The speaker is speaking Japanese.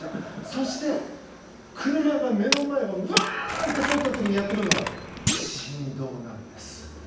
そして、車が目の前をブーンっと通った時にやってくるのは振動なんです。